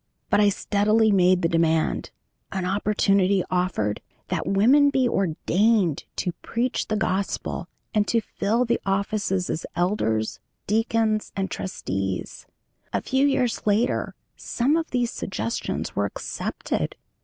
But I steadily made the demand, as opportunity offered, that women be ordained to preach the Gospel and to fill the offices as elders, deacons, and trustees. A few years later some of these suggestions were accepted.